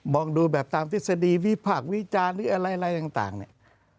มองดูแบบตามทฤษฎีวีภาควีจานหรืออะไรต่างเนี่ย